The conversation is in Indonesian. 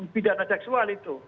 bidana seksual itu